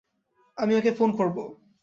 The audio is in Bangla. আমি ওকে ফোন করবো।